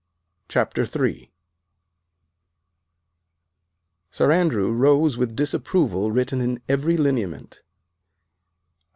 CHAPTER III Sir Andrew rose with disapproval written in every lineament.